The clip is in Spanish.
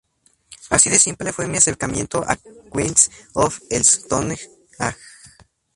Así de simple fue mi acercamiento a Queens of the Stone Age.